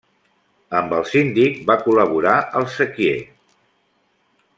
Amb el Síndic va col·laborar el sequier.